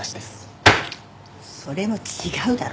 それも違うだろ！